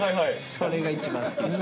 それが一番好きでした。